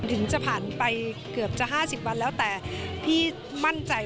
ถึงจะผ่านไปเกือบจะ๕๐วันแล้วแต่พี่มั่นใจ